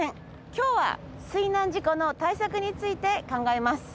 今日は水難事故の対策について考えます。